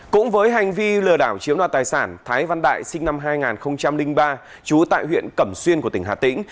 cũng với hành vi lừa đảo chiếm đoạt tài sản thái văn đại sinh năm hai nghìn ba trú tại huyện cẩm xuyên của tỉnh hà tĩnh